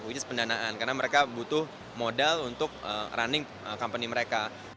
which is pendanaan karena mereka butuh modal untuk running company mereka